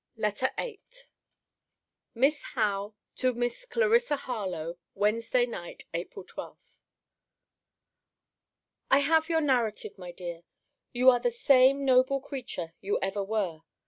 LETTER VIII MISS HOWE, TO MISS CLARISSA HARLOWE WEDNESDAY NIGHT, APRIL 12. I have your narrative, my dear. You are the same noble creature you ever were.